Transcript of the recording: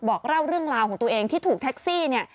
บอกเล่าเรื่องราวของตัวเองที่ถูกแท็กซี่เนี่ย